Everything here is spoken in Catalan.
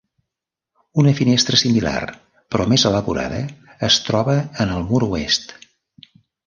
Una finestra similar, però més elaborada es troba en el mur oest.